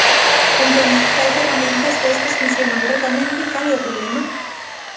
Entón, se hai ferramentas e estas funcionan correctamente, ¿cal é o problema?